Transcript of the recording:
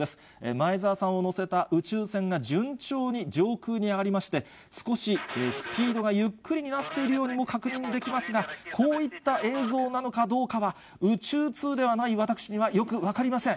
前澤さんを乗せた宇宙船が順調に上空に上がりまして、少しスピードがゆっくりになっているようにも確認できますが、こういった映像なのかどうかは、宇宙通ではない私には、よく分かりません。